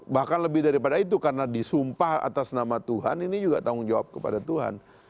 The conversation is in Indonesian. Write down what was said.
bahkan lebih daripada itu karena disumpah atas nama tuhan ini juga tanggung jawab kepada tuhan